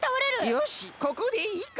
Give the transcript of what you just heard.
よしここでいいか。